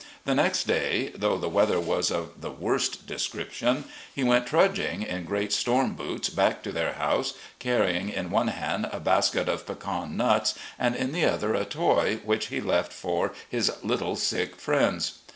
The next day, though the weather was of the worst description, he went trudging in great storm boots back to their house, carrying in one hand a basket of pecan nuts and in the other a toy, which he left for his little sick friends.